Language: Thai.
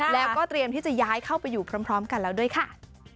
แล้วก็เตรียมที่จะย้ายเข้าไปอยู่พร้อมกันแล้วด้วยค่ะ